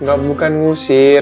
enggak bukan ngusir